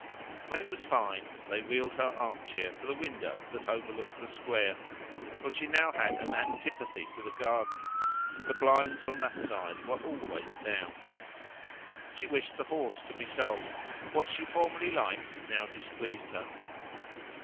When it was fine they wheeled her arm chair to the window that overlooked the square, for she now had an antipathy to the garden, and the blinds on that side were always down. She wished the horse to be sold; what she formerly liked now displeased her.